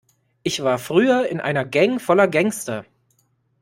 Ich war früher in einer Gang voller Gangster.